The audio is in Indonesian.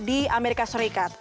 di amerika serikat